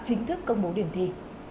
chính thức công bố điểm thi